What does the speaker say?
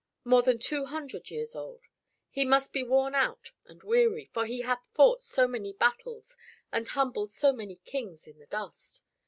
more than two hundred years old. He must be worn out and weary, for he hath fought so many battles and humbled so many kings in the dust.